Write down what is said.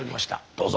どうぞ。